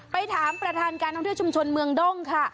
ไปถามประธานการท่องเที่ยวชุมชนเมืองด้งค่ะ